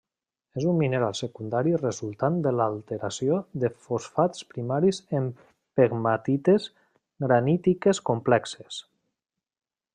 És un mineral secundari resultant de l'alteració de fosfats primaris en pegmatites granítiques complexes.